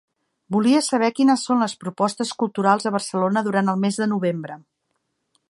Volia saber quines son les propostes culturals a Barcelona durant el mes de novembre.